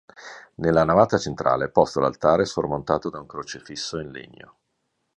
Nella navata centrale è posto l'altare sormontato da un crocifisso in legno.